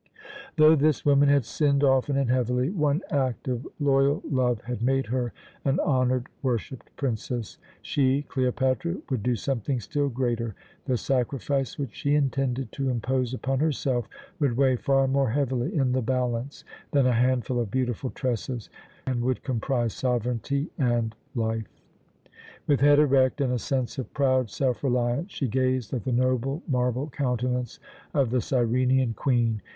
Though this woman had sinned often and heavily, one act of loyal love had made her an honoured, worshipped princess. She Cleopatra would do something still greater. The sacrifice which she intended to impose upon herself would weigh far more heavily in the balance than a handful of beautiful tresses, and would comprise sovereignty and life. With head erect and a sense of proud self reliance she gazed at the noble marble countenance of the Cyrenian queen.